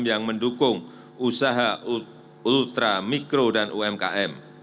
yang mendukung usaha ultra mikro dan umkm